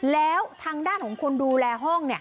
แล้วทางด้านของคนดูแลห้อง